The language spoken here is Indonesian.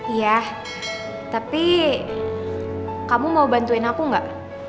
iya tapi kamu mau bantuin aku gak